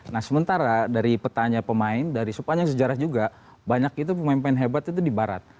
nah sementara dari petanya pemain dari sepanjang sejarah juga banyak itu pemain pemain hebat itu di barat